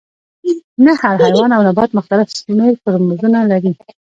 نه هر حیوان او نبات مختلف شمیر کروموزومونه لري